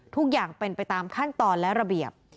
ทุกอย่างเป็นไปตามขั้นตอนและระเบียบ